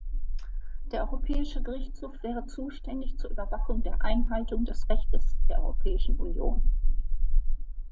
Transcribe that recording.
Der Europäische Gerichtshof wäre zuständig zur Überwachung der Einhaltung des Rechts der Europäischen Union.